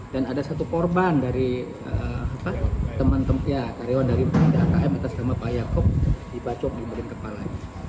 dan ada satu korban dari teman teman ya karyawan dari dakm atas nama pak yaakob di pacok di merin kepala